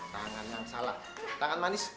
tangan yang salah tangan manis